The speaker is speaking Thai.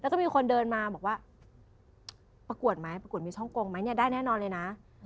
แล้วก็มีคนเดินมาบอกว่าประกวดไหมประกวดมีช่องกงไหมเนี่ยได้แน่นอนเลยนะ